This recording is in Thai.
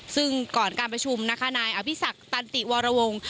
ซึ่งก่อนการประชุมนะคะนายอภิษักตันติวรวงศ์